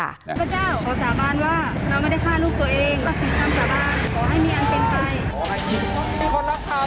พระเจ้าขอสาบานว่าเรามันไม่ได้ฆ่าลูกตัวเองประสิทธิ์ทำสาบานขอให้เมียมเป็นใคร